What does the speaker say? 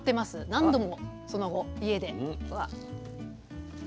何度もその後家で。